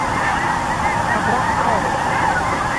Абра ҳҭалоит!